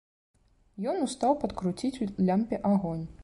Ён устаў падкруціць у лямпе агонь.